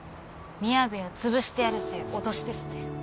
みやべを潰してやるっていう脅しですね。